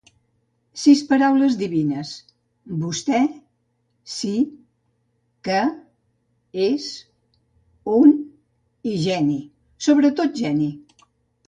Sis paraules divines: vostè, sí, que, és, un i geni, sobretot geni.